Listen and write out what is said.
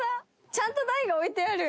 ちゃんと台が置いてある！